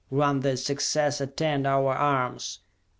Grant that success attend our arms!